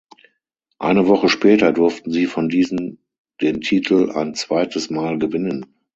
Eine Woche später durften sie von diesen den Titel ein zweites Mal gewinnen.